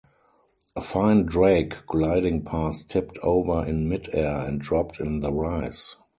A fine drake gliding past tipped over in midair and dropped in the rice.